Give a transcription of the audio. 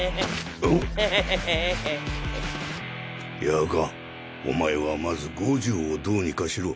夜蛾お前はまず五条をどうにかしろ。